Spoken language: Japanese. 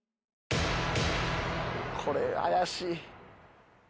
これが怪しい。